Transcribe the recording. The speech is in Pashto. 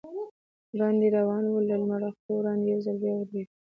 وړاندې روان و، له لمر راختو وړاندې یو ځل بیا ودرېدو.